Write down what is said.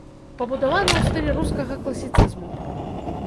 Пабудавана ў стылі рускага класіцызму.